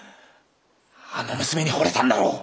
あの娘にほれたんだろう！